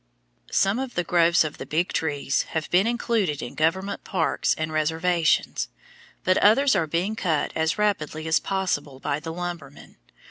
Some of the groves of the Big Trees have been included in government parks and reservations, but others are being cut as rapidly as possible by the lumbermen.